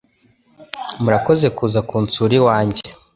Murakoze kuza kunsura iwanjye